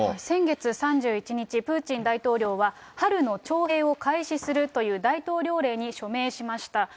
先月３１日、プーチン大統領は、春の徴兵を開始するという大統領令に署名しました。